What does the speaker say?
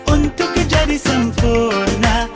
untuk kejadi sempurna